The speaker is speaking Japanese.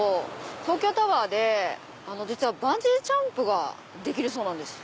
東京タワーでバンジージャンプができるそうなんです。